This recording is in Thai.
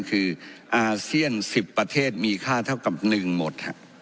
คืออาเซียน๑๐ประเทศมีค่าเท่ากับ๑หมด